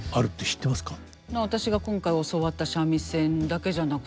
私が今回教わった三味線だけじゃなくて。